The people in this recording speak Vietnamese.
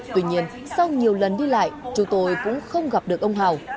tuy nhiên sau nhiều lần đi lại chúng tôi cũng không gặp được ông hào